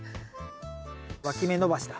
わき芽伸ばしだ。